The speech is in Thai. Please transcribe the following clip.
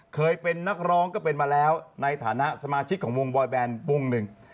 เคยเป็นนักร้องก็เป็นมาแล้วในฐานะสมาชิกของวงบอยแบนวงหนึ่ง